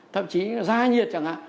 thậm chí ra nhiệt chẳng hạn